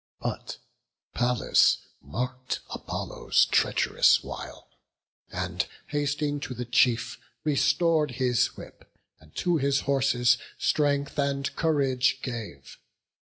But Pallas mark'd Apollo's treach'rous wile; And hasting to the chief, restor'd his whip, And to his horses strength and courage gave.